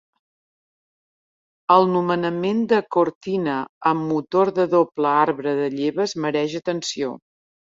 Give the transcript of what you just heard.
El nomenament de Cortina amb motor de doble arbre de lleves mereix atenció.